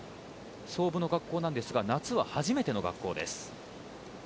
創部の学校ですが夏は初めての学校です。